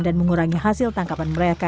dan mengurangi hasil tangkapan